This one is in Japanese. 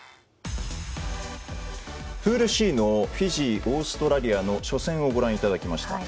プールＣのフィジーオーストラリアの初戦をご覧いただきました。